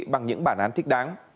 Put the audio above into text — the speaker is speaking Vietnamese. bằng những bản án thích đáng